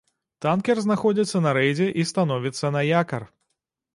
Танкер знаходзіцца на рэйдзе і становіцца на якар.